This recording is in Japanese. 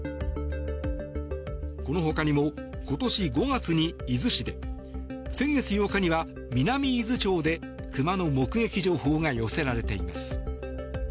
この他にも今年５月に伊豆市で先月８日には南伊豆町でクマの目撃情報が寄せられています。